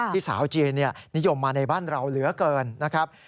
สาวจีนนิยมมาในบ้านเราเหลือเกินนะครับ